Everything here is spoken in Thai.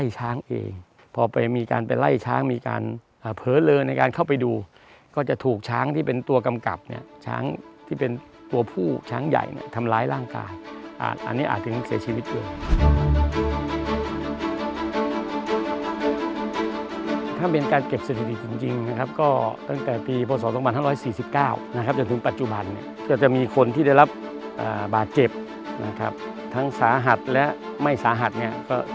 ช้างเองพอไปมีการไปไล่ช้างมีการอ่าเผลอเลินในการเข้าไปดูก็จะถูกช้างที่เป็นตัวกำกับเนี้ยช้างที่เป็นตัวผู้ช้างใหญ่เนี้ยทำร้ายร่างกายอ่าอันนี้อาจถึงเสียชีวิตเกินถ้าเป็นการเก็บสถิติจริงจริงจริงนะครับก็ตั้งแต่ปีสองสองบาทห้าร้อยสี่สิบเก้านะครับจนถึงปัจจุบันเนี้ยจะจะมีคนที่